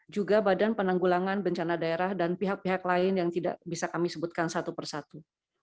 juga badan penanggulangan bencana daerah dan pihak pihak lain yang tidak bisa kami sebutkan satu persatu